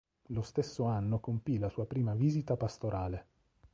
Lo stesso anno compì la sua prima visita pastorale.